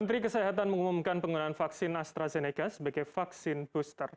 menteri kesehatan mengumumkan penggunaan vaksin astrazeneca sebagai vaksin booster